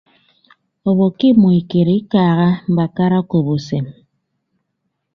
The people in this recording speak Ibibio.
Obo ke imọ ikere ikaaha mbakara akop usem.